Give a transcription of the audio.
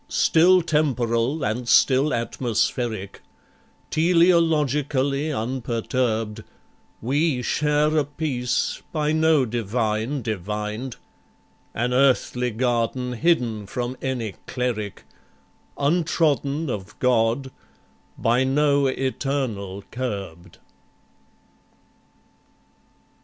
still temporal, and still atmospheric, Teleologically unperturbed, We share a peace by no divine divined, An earthly garden hidden from any cleric, Untrodden of God, by no Eternal curbed.